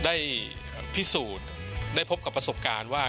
ได้พิสูจน์ได้พบกับประสบการณ์ว่า